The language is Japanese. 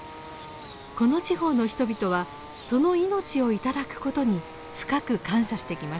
この地方の人々はその命を頂くことに深く感謝してきました。